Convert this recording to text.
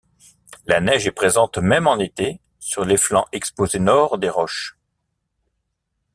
La neige est présente même en été sur les flancs exposés nord des roches.